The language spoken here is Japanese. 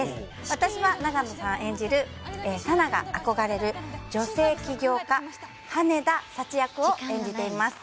私は永野さん演じる佐奈が憧れる女性起業家羽田早智役を演じています